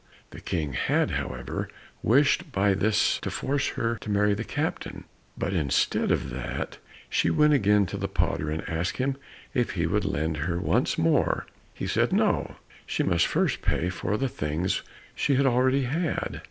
The King had, however, wished by this to force her to marry the captain; but instead of that, she again went to the potter, and asked him if he would lend to her once more. He said, "No," she must first pay for the things she had already had.